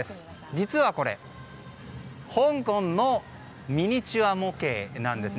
実はこれ香港のミニチュア模型なんです。